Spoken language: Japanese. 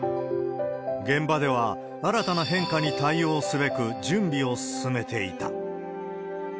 現場では、新たな変化に対応すべく準備を進めていた。